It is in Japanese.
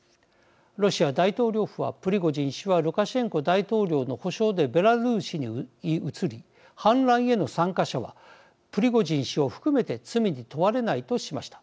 ロシア大統領府はプリゴジン氏はルカシェンコ大統領の保証でベラルーシに移り反乱への参加者はプリゴジン氏を含めて罪に問われないとしました。